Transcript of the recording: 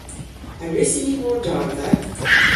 A wrussyn ni mordardha?